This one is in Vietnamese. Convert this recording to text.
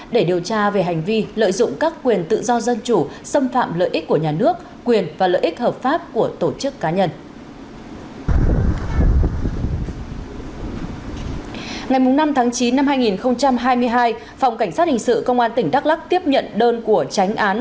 để điều tra về hành vi lợi dụng các quyền tự do dân chủ xâm phạm lợi ích của nhà nước quyền và lợi ích hợp pháp của tổ chức cá nhân